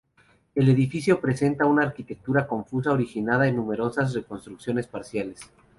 El edificio presenta una arquitectura confusa originada en numerosas reconstrucciones parciales.